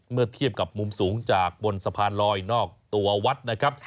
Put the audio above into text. เมื่อเทียบกับมุมสูงจากบนสะพานลอยนอกตัววัดนะครับ